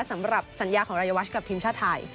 สำหรับสัญญาของรายวัชกับทีมชาติไทย